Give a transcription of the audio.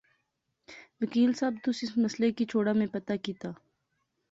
وکیل صاحب، تس اس مسئلے کی چھوڑا میں پتہ کیتا